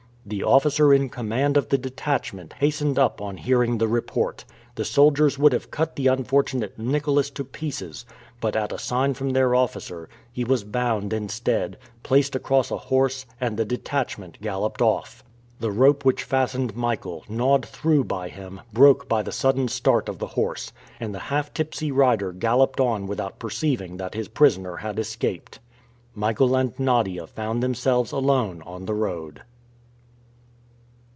The officer in command of the detachment hastened up on hearing the report. The soldiers would have cut the unfortunate Nicholas to pieces, but at a sign from their officer, he was bound instead, placed across a horse, and the detachment galloped off. The rope which fastened Michael, gnawed through by him, broke by the sudden start of the horse, and the half tipsy rider galloped on without perceiving that his prisoner had escaped. Michael and Nadia found themselves alone on the road.